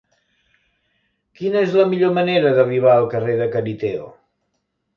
Quina és la millor manera d'arribar al carrer de Cariteo?